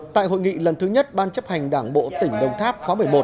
tại hội nghị lần thứ nhất ban chấp hành đảng bộ tỉnh đồng tháp khóa một mươi một